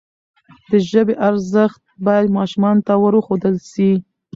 د ژبي ارزښت باید ماشومانو ته وروښودل سي.